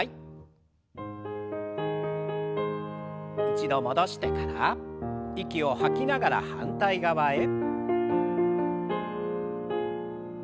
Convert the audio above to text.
一度戻してから息を吐きながら反対側へ。